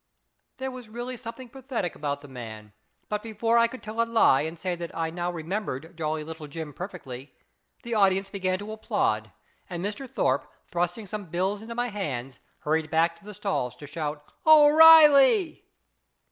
There was really something pathetic about the man; but before I could tell a lie and say that I now remembered Jolly Little Jim perfectly, the audienca began to applaud, and Mr. Thorpe, thrusting some bills into my hands, hurried back to the stalls to shout " O'Reilly."